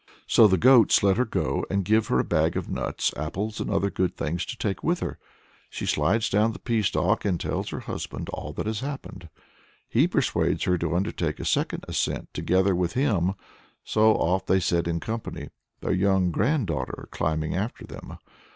So the goats let her go, and give her a bag of nuts, apples, and other good things to take with her. She slides down the pea stalk and tells her husband all that has happened. He persuades her to undertake a second ascent together with him, so off they set in company, their young granddaughter climbing after them.